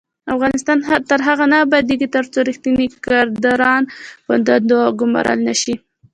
افغانستان تر هغو نه ابادیږي، ترڅو ریښتیني کادرونه په دندو وګمارل نشي.